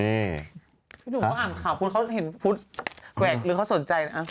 พี่หนุ่มเขาอ่านข่าวพุทธเขาเห็นพุทธแหวกหรือเขาสนใจนะ